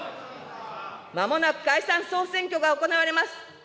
まもなく解散・総選挙が行われます。